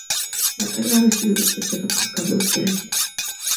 La carga había sido despachada por Carlos Tracy..